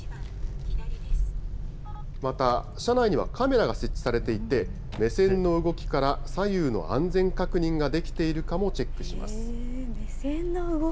また車内にはカメラが設置されていて、目線の動きから左右の安全確認ができているかもチェックします。